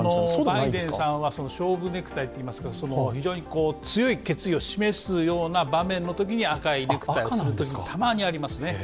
バイデンさんは勝負ネクタイといいますか、非常に強い決意を示すような場面のときに赤いネクタイをするときがたまにありますね。